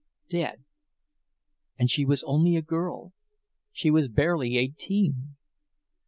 dead! And she was only a girl, she was barely eighteen!